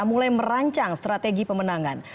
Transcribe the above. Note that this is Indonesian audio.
mulai merancang strategi pemenangan